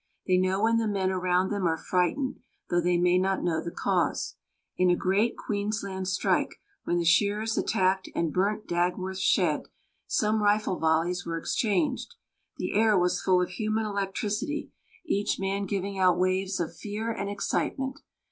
They know when the men around them are frightened, though they may not know the cause. In a great Queensland strike, when the shearers attacked and burnt Dagworth shed, some rifle volleys were exchanged. The air was full of human electricity, each man giving out waves of fear and excitement.